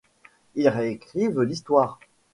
Ils réécrivent l'histoire.